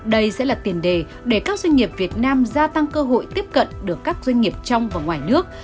đây sẽ là tiền đề để các doanh nghiệp việt nam gia tăng cơ hội tiếp cận được các doanh nghiệp trong và ngoài nước